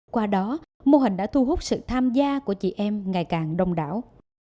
qua đó mô hình đã thu hút sự tham gia của chị em ngày càng đông đảo